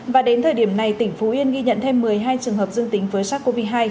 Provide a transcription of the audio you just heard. và đến thời điểm này tỉnh phú yên ghi nhận thêm một mươi hai trường hợp dương tính với sars cov hai